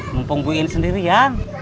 mumpung gue ini sendiri ya